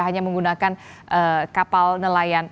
hanya menggunakan kapal nelayan